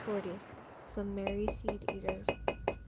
Some Merry Seed Eaters.